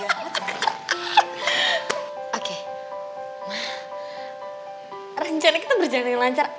nah rencana kita berjalan jalan lancar